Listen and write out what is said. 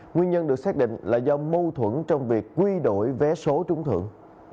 nguyên nhân được xác định là do mâu thuẫn trong việc quy đổi vé số trúng thưởng